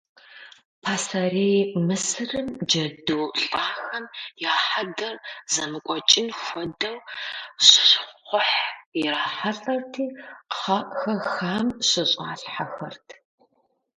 Пасэрей Мысырым джэду лӏахэм я хьэдэр зэмыкӏуэкӏын хуэдэу щхъухь ирахьэлӏэрти кхъэ хэхахэм щыщӏалъхэрт.